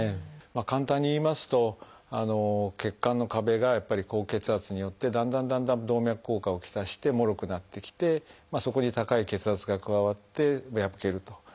簡単に言いますと血管の壁が高血圧によってだんだんだんだん動脈硬化を来してもろくなってきてそこに高い血圧が加わって破けるということで。